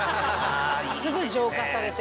すぐ浄化されて。